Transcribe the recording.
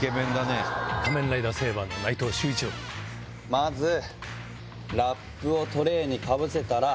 まずラップをトレーにかぶせたら。